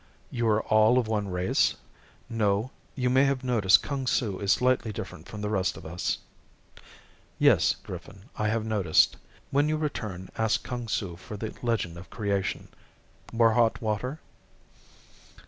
"You are all of one race?" "No, you may have noticed Kung Su is slightly different from the rest of us." "Yes, Griffin, I have noticed. When you return ask Kung Su for the legend of creation. More hot water?"